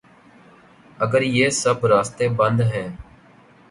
اگریہ سب راستے بند ہیں۔